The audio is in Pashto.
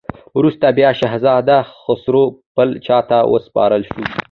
وروسته بیا شهزاده خسرو بل چا ته وسپارل شو.